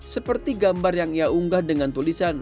seperti gambar yang ia unggah dengan tulisan